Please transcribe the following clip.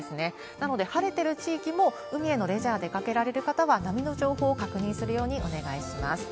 なので、晴れてる地域も、海へのレジャー出かけられる方は、波の情報を確認するようにお願いします。